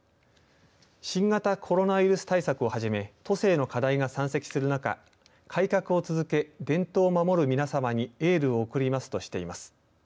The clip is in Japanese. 新型コロナウイルス対策をはじめ都政の課題が山積する中改革を続け、伝統を守る皆さまにエールを送りますとしています。